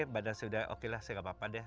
badan sudah oke lah saya gak apa apa deh